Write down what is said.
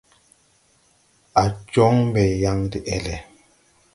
A joŋ mbe yaŋ de ɛlɛ.